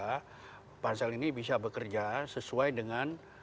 bahwa pansel ini bisa bekerja sesuai dengan